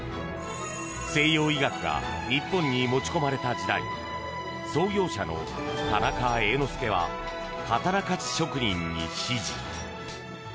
西洋医学が日本に持ち込まれた時代創業者の田中栄之助は刀鍛冶職人に師事。